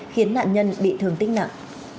khiến nạn nhân bị thương tích nặng